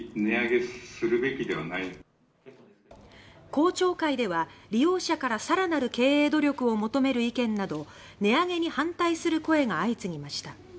公聴会では、利用者から更なる経営努力を求める意見など値上げに反対する声が相次ぎました。